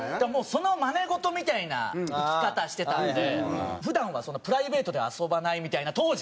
そのまね事みたいな生き方してたんで普段はプライベートでは遊ばないみたいな当時。